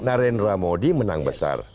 narendra modi menang besar